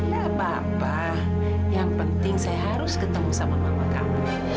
gak apa apa yang penting saya harus ketemu sama mama kamu